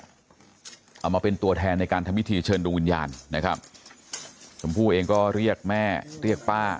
เอามาเป็นตัวแทนในการทำพิธีเชิญดวงวิญญาณนะครับชมพู่เองก็เรียกแม่เรียกป้า